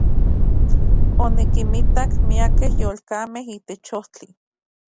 Onikinmitak miakej yolkamej itech ojtli.